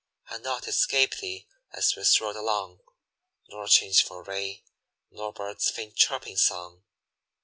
And naught escaped thee as we strolled along, Nor changeful ray, nor bird's faint chirping song.